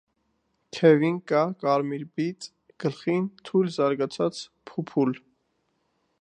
Թևին կա կարմիր բիծ, գլխին՝ թույլ զարգացած փուփուլ։